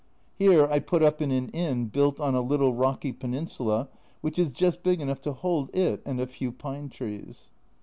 Here I put up in an inn built on a little rocky peninsula, which is just big enough to hold it and a few pine trees.